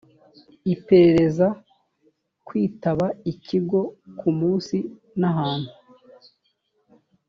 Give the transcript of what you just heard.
iperereza kwitaba ikigo ku munsi n ahantu